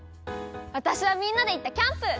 わたしはみんなでいったキャンプ！